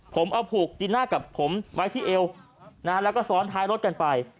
ผมเอาผูกจีน่ากับผมไว้ที่เอวแล้วก็ซ้อนท้ายรถกันไป